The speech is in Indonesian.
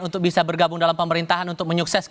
untuk bisa bergabung dalam pemerintahan untuk menyukses